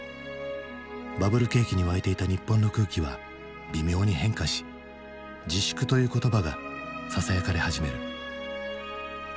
バブル景気に沸いていた日本の空気は微妙に変化し自粛という言葉がささやかれ始める。